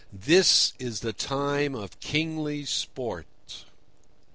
This is the time of kingly sport."